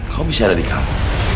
kau bisa ada di kamu